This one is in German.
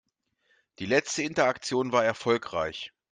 Die letzte Interaktion war erfolgreich.